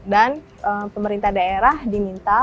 dan pemerintah daerah diminta